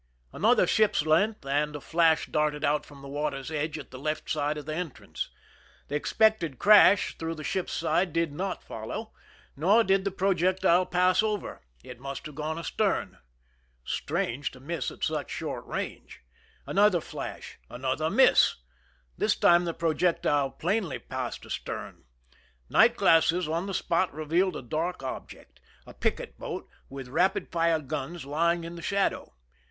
Another ship's length, and a flash darted out from the water's edge at the left side of the entrance. The expected crash through the ship's side did not follow, nor did the projectile pass over; it must have gone astern. Strange to miss at such short range ! Another flash— another miss ! This time the projectile plainly passed astern. Night glasses on the spot revealed a dark object— a picket boat with rapid fire guns lying in the shadow.